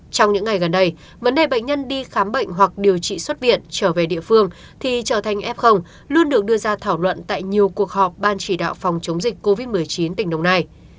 trong những ngày gần đây vấn đề bệnh nhân đi khám bệnh hoặc điều trị xuất viện trở về địa phương thì trở thành f luôn được đưa ra thảo luận tại nhiều cuộc họp ban chỉ đạo phòng chống dịch covid một mươi chín tỉnh đồng nai